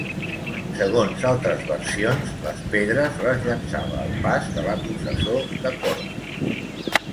Segons altres versions, les pedres les llançava al pas de la processó de Corpus.